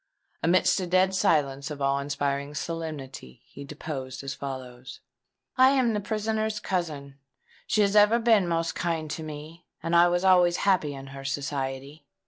Amidst a dead silence of awe inspiring solemnity, he deposed as follows:— "I am the prisoner's cousin. She has ever been most kind to me; and I was always happy in her society.